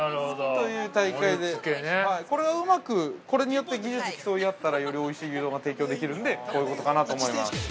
これによって技術を競い合ったらよりおいしい牛丼が提供できるのでこういうことかなと思います。